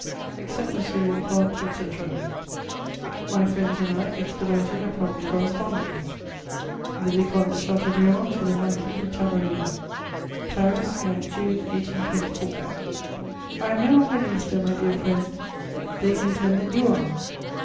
"Accept, monsieur le vicomte, etc." My friends and I expedited a prompt correspondence: THE VICOMTE DE CHATEAUBRIAND TO THE MARQUIS DE TALARU "PARIS, 9 June 1824. "I am no longer minister, my dear friend; they contend that you are.